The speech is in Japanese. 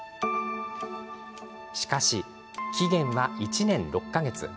しかし、期限は１年６か月。